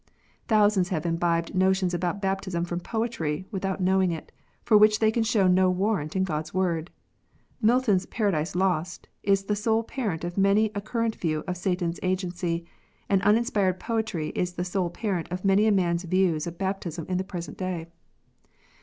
Thousands have imbibed notions about baptism from poetry, without knowing it, for which they can show no warrant in God s Word. Milton s Paradise Lost is the sole parent of many a current view of Satan s agency ; and uninspired poetry is the sole parent of many a man s views of baptism in the present day.